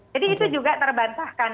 jadi itu juga terbantahkan